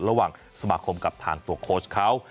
ระหว่างสมาคมกับทางตัวโค้ชเขา